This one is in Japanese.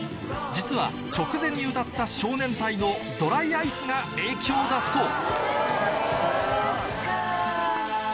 実は直前に歌った少年隊のドライアイスが影響だそう